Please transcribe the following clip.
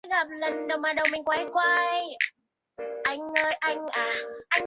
珠江频道境外版亦会重播配有中英文字幕的旧集数。